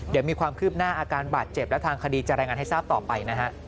เดี๋ยวมีความคืบหน้าอาการบาดเจ็บและทางคดีจะรายงานให้ทราบต่อไปนะฮะ